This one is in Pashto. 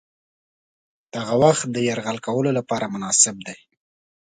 دغه وخت د یرغل کولو لپاره مناسب دی.